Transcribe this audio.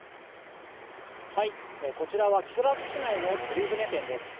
こちらは木更津市内の釣り船店です。